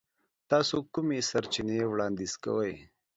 تاسو کومې سرچینې وړاندیز کوئ؟